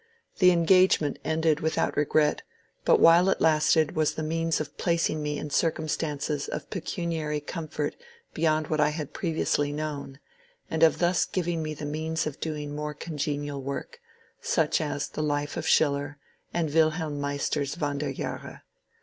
The engagement ended without regret, but while it lasted was the means of placing me in circumstances of pe cuniary comfort beyond what I had previously known, and of thus giving me the means of doing more congenial work, such as the ^^ Life of Schiller," and ^^ Wilhelm Meister's Wanderjahre."